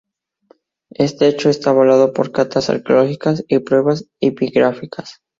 Este hecho está avalado por catas arqueológicas y pruebas epigráficas.